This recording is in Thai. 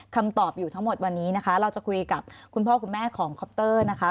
คำตอบอยู่ทั้งหมดวันนี้นะคะเราจะคุยกับคุณพ่อคุณแม่ของคอปเตอร์นะคะ